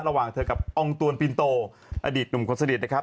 ระหว่างเธอกับองตวนปินโตอดีตหนุ่มคนสนิทนะครับ